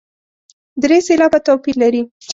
درې سېلابه توپیر لري.